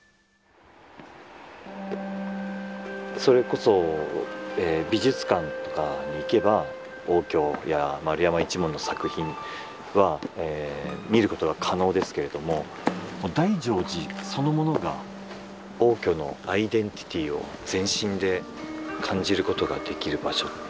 それこそ美術館とかに行けば応挙や円山一門の作品は見ることが可能ですけれどもこの大乗寺そのものが応挙のアイデンティティーを全身で感じることができる場所。